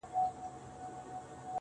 هغه به چيري وي,